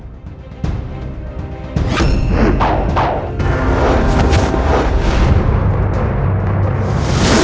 kalian semua berdoa